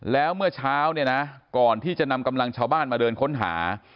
แล้วเมื่อเช้าเนี่ยนะก่อนที่จะนำกำลังชาวบ้านมาเดินค้นหา